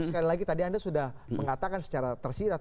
sekali lagi tadi anda sudah mengatakan secara tersirat